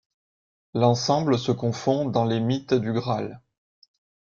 L'ensemble se confond dans le mythe du Graal.